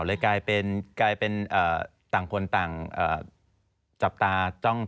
เลยกลายเป็นต่างคนต่างจับตา